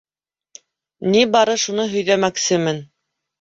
- На бары шуны һөйҙәмәксемен.